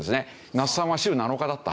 那須さんは週７日だった？